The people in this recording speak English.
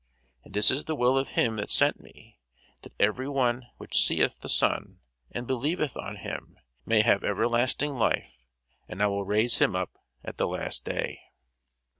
And this is the will of him that sent me, that every one which seeth the Son, and believeth on him, may have everlasting life: and I will raise him up at the last day.